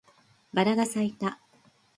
バラが咲いた